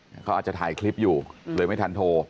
เขาอาจจะถ่ายคลิปอยู่เลยไม่ทันโทร